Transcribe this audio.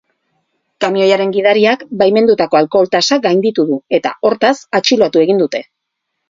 Kamioiaren gidariak baimendutako alkohol-tasa gainditu du eta, hortaz, atxilotu egin dute.